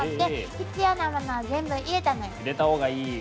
必要なものは全部入れたのよ。